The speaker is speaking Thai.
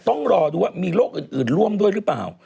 ต้องรอดูว่ามีโรคอื่นร่วมด้วยหรือเปล่า